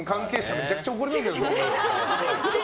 めちゃくちゃ怒りますよ。